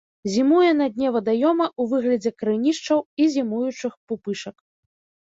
Зімуе на дне вадаёма ў выглядзе карэнішчаў і зімуючых пупышак.